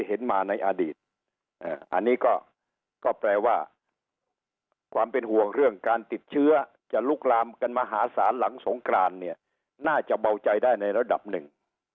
เห็นมาในอดีตอันนี้ก็แปลว่าความเป็นห่วงเรื่องการติดเชื้อจะลุกลามกันมหาศาลหลังสงกรานเนี่ยน่าจะเบาใจได้ในระดับหนึ่ง